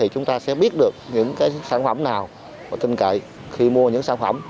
chúng ta sẽ biết được những sản phẩm nào và tin cậy khi mua những sản phẩm